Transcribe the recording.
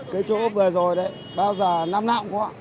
cái chỗ vừa rồi đấy bao giờ năm nào cũng có